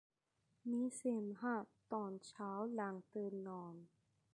มีเสมหะตอนเช้าหลังตื่นนอน